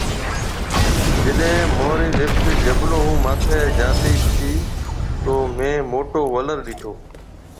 جڏي مونهري لفٽ جبلون هون ماٿي جاتي تي تو مينهه موٽو ولر ڏيٺو